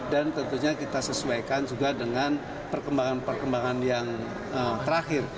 dan tentunya kita sesuaikan juga dengan perkembangan perkembangan yang terakhir